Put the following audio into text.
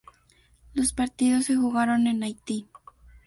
Los partidos se jugaron en Haití.